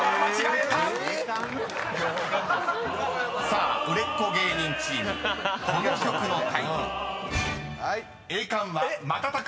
［さあ売れっ子芸人チームこの曲のタイトル］